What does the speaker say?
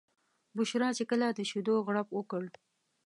بشرا چې کله د شیدو غوړپ وکړ.